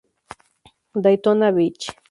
Daytona Beach".